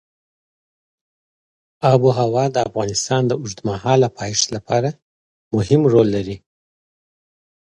آب وهوا د افغانستان د اوږدمهاله پایښت لپاره مهم رول لري.